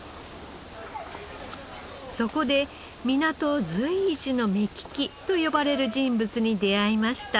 そこで港随一の目利きと呼ばれる人物に出会いました。